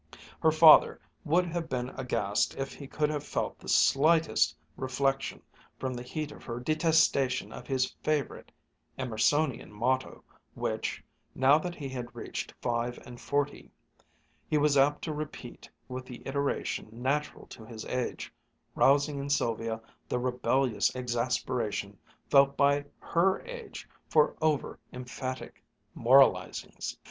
Her father would have been aghast if he could have felt the slightest reflection from the heat of her detestation of his favorite, Emersonian motto, which, now that he had reached five and forty, he was apt to repeat with the iteration natural to his age, rousing in Sylvia the rebellious exasperation felt by her age for over emphatic moralizings.